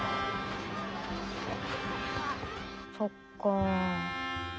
そっか。